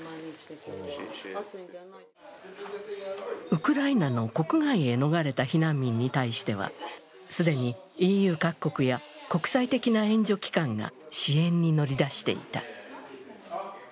ウクライナの国外へ逃れた避難民に対しては既にＥＵ各国や国際的な援助機関が支援に乗り出していた。